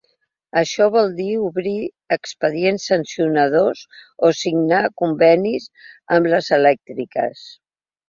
Això vol dir obrir expedients sancionadors o signar convenis amb les elèctriques.